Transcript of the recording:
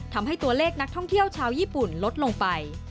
ทำให้ตัวเลขนักท่องเที่ยวชาวญี่ปุ่นลดลงไป